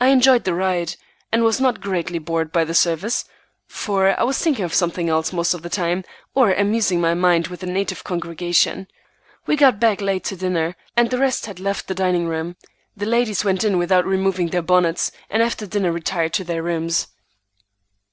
I enjoyed the ride, and was not greatly bored by the service, for I was thinking of something else most of the time, or amusing my mind with the native congregation. We got back late to dinner, and the rest had left the dining room. The ladies went in without removing their bonnets, and after dinner retired to their rooms.